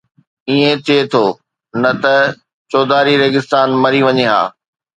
ائين ٿئي ٿو، نه ته چوڌاري ريگستان مري وڃي ها